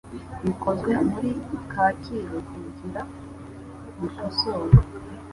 bikozwe muri kacyiru kugira bikosorwe